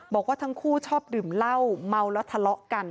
บอกว่าทั้งคู่ชอบดื่มเหล้าเมาแล้วทะเลาะกัน